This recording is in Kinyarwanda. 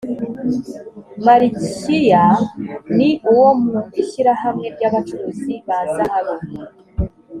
malikiya ni uwo mu ishyirahamwe ry’abacuzi ba zahabu